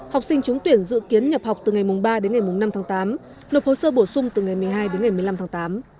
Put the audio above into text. học sinh trúng tuyển dự kiến nhập học từ ngày ba đến ngày năm tháng tám nộp hồ sơ bổ sung từ ngày một mươi hai đến ngày một mươi năm tháng tám